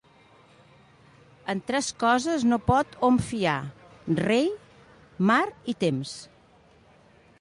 En tres coses no pot hom fiar: rei, mar i temps.